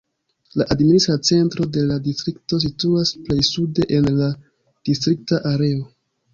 La administra centro de la distrikto situas plej sude en la distrikta areo.